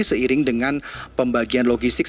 seiring dengan pembagian logistik